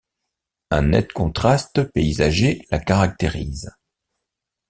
Un net contraste paysager la caractérise.